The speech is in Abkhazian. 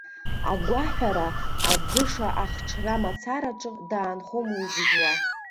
Агәаҳәара, аӡыша ахҽра мацараҿы даанхом уи зжәуа.